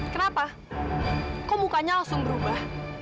kenapa kok mukanya langsung berubah